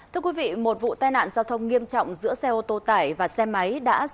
thưa quý vị một vụ tai nạn giao thông nghiêm trọng giữa xe ô tô tải và xe máy